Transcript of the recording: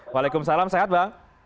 waalaikumsalam sehat bang